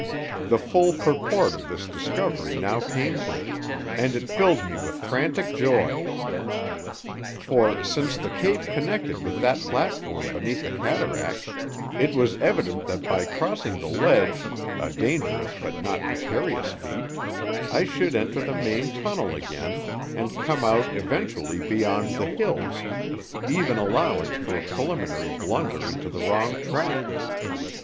The full purport of this discovery now came to me, and it filled me with frantic joy. For, since the cave connected with that platform beneath the cataract, it was evident that by crossing the ledge, a dangerous but not precarious feat, I should enter the main tunnel again and come out eventually beyond the hills, even allowing for a preliminary blunder into the wrong track.